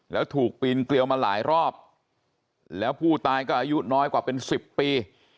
แล้วถูกปีนเกลียวมาหลายรอบแล้วผู้ตายก็อายุน้อยกว่าเป็น๑๐ปี